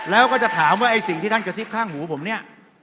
แล้วก็จะถามว่าไอ้สิ่งที่ท่านกระซิบข้างหูผมเนี่ย